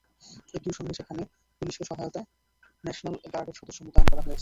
একই সঙ্গে সেখানে পুলিশকে সহায়তায় ন্যাশনাল গার্ডের সদস্য মোতায়েন করা হয়েছে।